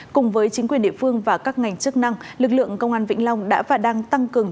cùng với chính quyền địa phương và các ngành chức năng lực lượng công an vĩnh long đã và đang tăng cường